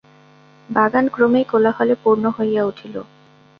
বাগান ক্রমেই কোলাহলে পূর্ণ হইয়া উঠিল।